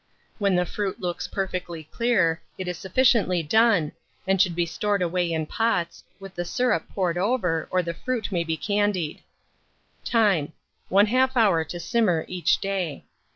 When the fruit looks perfectly clear, it is sufficiently done, and should be stored away in pots, with the syrup poured over, or the fruit may be candied. Time. 1/2 hour to simmer each day.